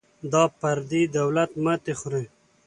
دا پردی دولت ماتې خوري.